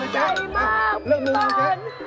ชัยมากตอน